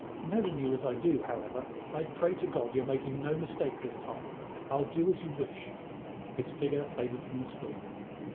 Knowing you as I do, however, I pray to God you're making no mistake this time. I'll do as you wish." His figure faded from the screen.